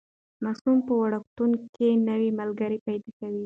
ماسوم په وړکتون کې نوي ملګري پیدا کوي.